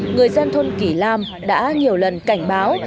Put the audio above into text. người dân thôn kỳ lam đã nhiều lần cảnh báo